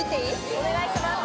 お願いします